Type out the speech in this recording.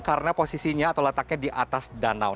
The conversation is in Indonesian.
karena posisinya atau letaknya di atas danau